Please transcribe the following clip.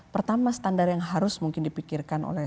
pertama standar yang harus mungkin dipikirkan oleh